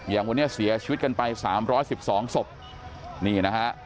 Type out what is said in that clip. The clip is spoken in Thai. อย่างวันนี้เสียชีวิตกันไปสามร้อยสิบสองศพนี่นะฮะ